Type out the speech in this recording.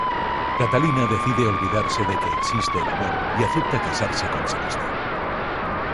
Catalina decide olvidarse de que existe el amor y acepta casarse con Sebastián.